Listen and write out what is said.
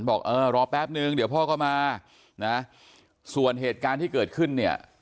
บอกเออรอแป๊บนึงเดี๋ยวพ่อก็มานะส่วนเหตุการณ์ที่เกิดขึ้นเนี่ย